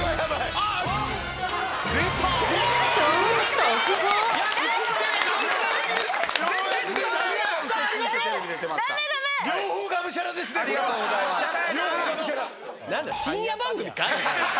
ありがとうございます。